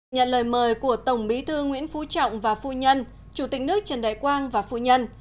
nhận lời mời của tổng bí thư nguyễn phú trọng và phu nhân chủ tịch nước trần đại quang và phu nhân